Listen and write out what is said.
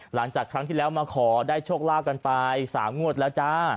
หลังจากครั้งที่แล้วมาขอได้โชคลาภกันไป๓งวดแล้วจ้า